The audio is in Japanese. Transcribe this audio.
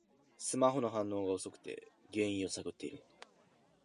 スマホの反応が遅くて原因を探ってる